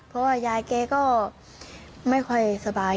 เพราะว่ายายแกก็ไม่ค่อยสบาย